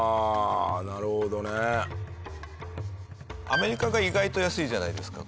アメリカが意外と安いじゃないですか。